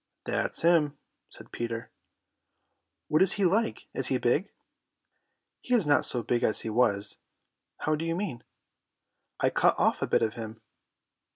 "That's him," said Peter. "What is he like? Is he big?" "He is not so big as he was." "How do you mean?" "I cut off a bit of him."